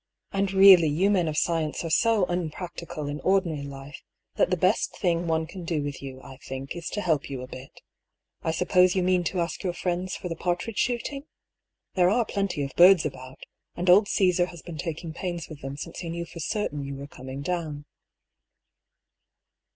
" And really you men of science are so un practical in ordinary life, that the best thing one can do with you, I think, is to help you a bit. I suppose you mean to ask your friends for the partridge shooting? There are plenty of birds about; and old Caesar has been taking pains with them since he knew for certain you were coming down."